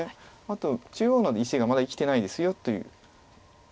あと中央の石がまだ生きてないですよという。